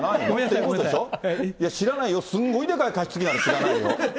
いや、知らないよ、すんごい高い加湿器なら知らないよ。